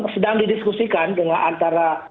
sedang didiskusikan dengan antara